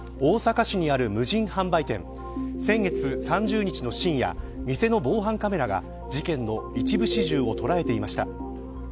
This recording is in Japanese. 大阪市にある無人販売店先月３０日の深夜店の防犯カメラが事件の一部始終を捉えていました。